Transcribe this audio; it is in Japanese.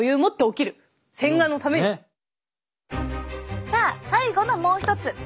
だからさあ最後のもう一つ。